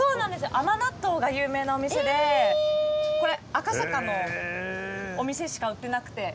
甘納豆が有名なお店でこれ赤坂のお店しか売ってなくて。